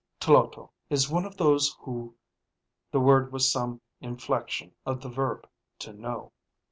Tloto is one of those who ." (The word was some inflection of the verb to know.)